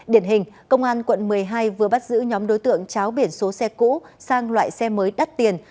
điển hình công an quận một mươi hai vừa bắt giữ nhóm đối tượng cháo biển số xe cũ sang loại xe mới đắt tiền